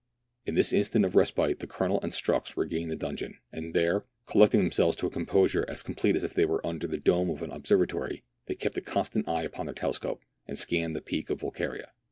In this instant of respite the Colonel and Strux regained the donjon, and there, collecting themselves to a composure as complete as if they were under the dome of an obser vatory, they kept a constant eye upon their telescope, and scanned the peak of Volquiria.